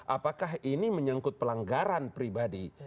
apakah ini menyangkut pelanggaran pribadi